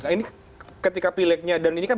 ini ketika pileknya dan ini kan